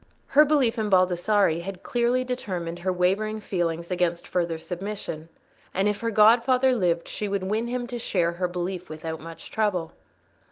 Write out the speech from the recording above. Her belief in Baldassarre had clearly determined her wavering feelings against further submission, and if her godfather lived she would win him to share her belief without much trouble.